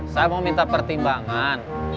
saya mau minta pertimbangan